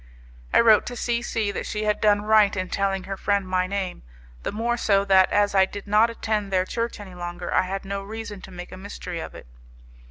I wrote to C C that she had done right in telling her friend my name, the more so that, as I did not attend their church any longer, I had no reason to make a mystery of it.